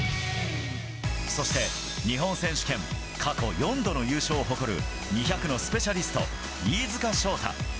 そして、日本選手権過去４度の優勝を誇る２００のスペシャリスト飯塚翔太。